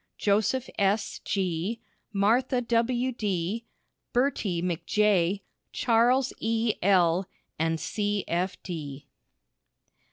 Joseph S. G., Martha W. D., Bertie McJ., Charles E. L., and C. F.